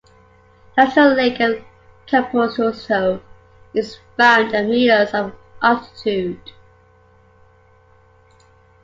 The artificial lake of Campotosto is found at meters of altitude.